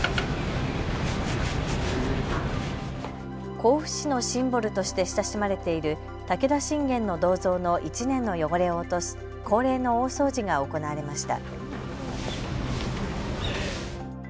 甲府市のシンボルとして親しまれている武田信玄の銅像の１年の汚れを落とす恒例の大掃除が行われました。